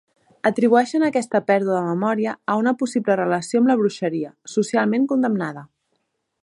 Atribueixen aquesta pèrdua de memòria a una possible relació amb la bruixeria, socialment condemnada.